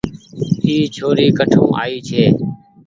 اي ڇوري ڪٺو آئي ڇي۔